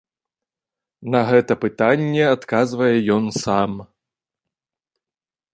На гэта пытанне адказвае ён сам.